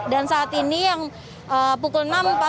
dan saat ini yang pukul enam